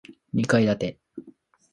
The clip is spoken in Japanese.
二階建て